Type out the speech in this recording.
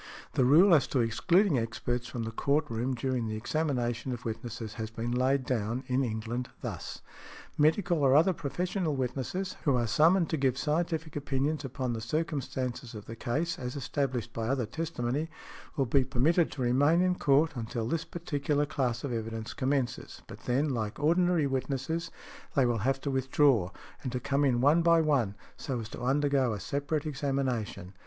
The rule as to excluding experts from the court room during the examination of witnesses has been laid down, in England, thus: "Medical or other professional witnesses, who are summoned to give scientific opinions upon the circumstances of the case, as established by other testimony, will be permitted to remain in court until this particular class of evidence commences; but then, like ordinary witnesses, they will have to withdraw, and to come in one by one, so as to undergo a separate examination."